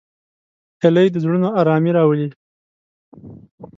هیلۍ د زړونو آرامي راولي